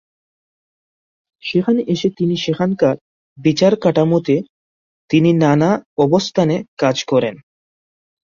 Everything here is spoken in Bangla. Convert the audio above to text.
সেখানে এসে তিনি সেখানকার বিচার কাঠামোতে তিনি নানা অবস্থানে কাজ করেন।